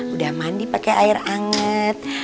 udah mandi pakai air anget